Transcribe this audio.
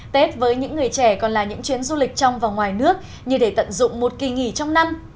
tết với những người trẻ còn là những chuyến du lịch trong và ngoài nước như để tận dụng một kỳ nghỉ trong năm